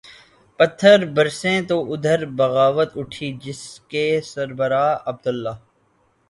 پتھر برسیں تو ادھر بغاوت اٹھی جس کے سربراہ عبداللہ